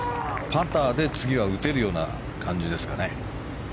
パターで次は打てるような感じですかね。